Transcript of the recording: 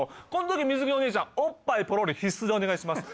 時水着のお姉ちゃんおっぱいポロリ必須でお願いします